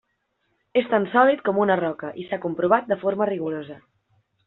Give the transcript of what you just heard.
És tan sòlid com una roca i s'ha comprovat de forma rigorosa.